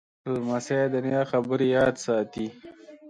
لمسی د نیا خبرې یاد ساتي.